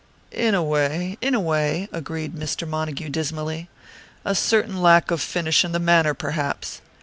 "In a way, in a way," agreed Mr. Montague dismally. "A certain lack of finish in the manner, perhaps."